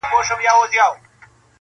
o او نه ختمېدونکی اثر لري ډېر,